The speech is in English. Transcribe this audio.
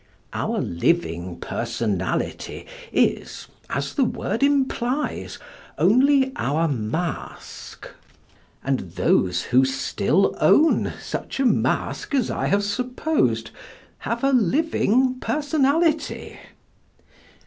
Our living personality is, as the word implies, only our mask, and those who still own such a mask as I have supposed have a living personality.